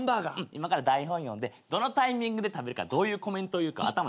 今から台本読んでどのタイミングで食べるかどういうコメントを言うか頭にたたき込みます。